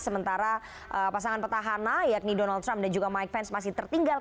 sementara pasangan petahana yakni donald trump dan juga mike pence masih tertinggal